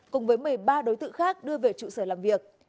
cùng với một mươi ba đối tượng khác đưa về trụ sở làm việc